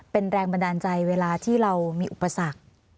เป็นแรงบันดาลใจเวลาที่เรามีอุปสรรค